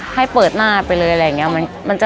ให้เปิดหน้าไปเลยอะไรอย่างนี้